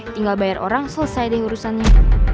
tinggal bayar orang selesai deh urusannya